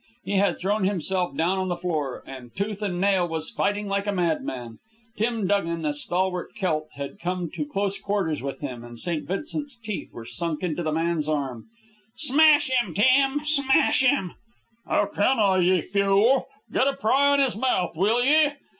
He had thrown himself down on the floor and, tooth and nail, was fighting like a madman. Tim Dugan, a stalwart Celt, had come to close quarters with him, and St. Vincent's teeth were sunk in the man's arm. "Smash 'm, Tim! Smash 'm!" "How can I, ye fule? Get a pry on his mouth, will ye?"